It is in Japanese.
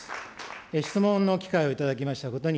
質問の機会を頂きましたことに、